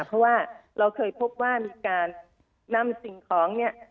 เพราะว่าเราเคยพบว่ามีการนำสิ่งของเนี่ย